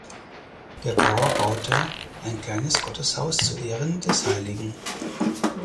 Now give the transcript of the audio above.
Der Bauer baute ein kleines Gotteshaus zu Ehren des Heiligen.